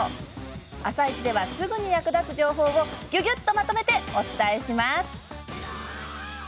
「あさイチ」ではすぐに役立つ情報をぎゅぎゅっとまとめてお伝えします！